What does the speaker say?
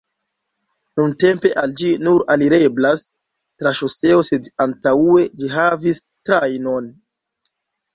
Nuntempe al ĝi nur alireblas tra ŝoseo sed antaŭe ĝi havis trajnon.